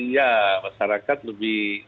ya masyarakat lebih